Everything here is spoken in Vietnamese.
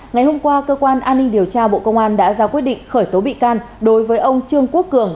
ngày hôm qua cơ quan an ninh điều tra bộ công an đã ra quyết định khởi tố bị can đối với ông trương quốc cường